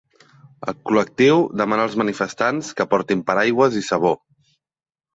El col·lectiu demana als manifestants que portin paraigües i sabó.